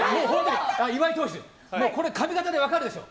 岩井党首これ髪型で分かるでしょ。